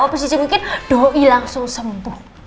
abis dicengukin doi langsung sembuh